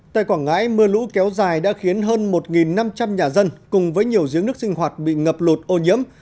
tại quảng ngãi mưa lũ kéo dài đã khiến hơn một năm trăm linh nhà dân cùng với nhiều giếng nước sinh hoạt bị ngập lụt ô nhiễm